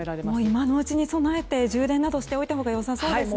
今のうちに備えて充電などしておいたほうが良さそうですね。